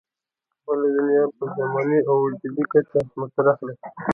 بله دنیا په زماني او وجودي کچه مطرح ده.